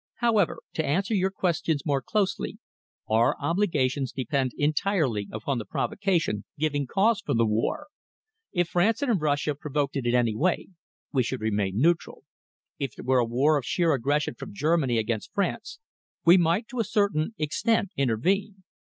However, to answer your questions more closely, our obligations depend entirely upon the provocation giving cause for the war. If France and Russia provoked it in any way, we should remain neutral. If it were a war of sheer aggression from Germany against France, we might to a certain extent intervene.